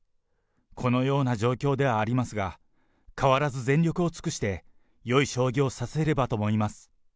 このような状況ではありますが、変わらず全力を尽くして、よい将棋を指せればと思います。